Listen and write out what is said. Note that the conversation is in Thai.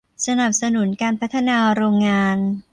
สนับสนุนการพัฒนาโรงงาน